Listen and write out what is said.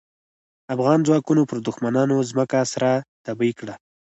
افغان ځواکونو پر دوښمنانو ځمکه سره تبۍ کړه.